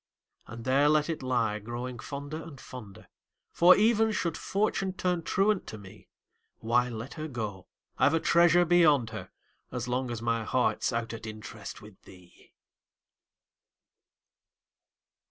And there let it lie, growing fonder and, fonder For, even should Fortune turn truant to me, Why, let her go I've a treasure beyond her, As long as my heart's out at interest With thee!